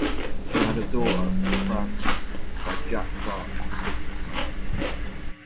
She had a daughter, Frances, by Jack Clark, a businessman.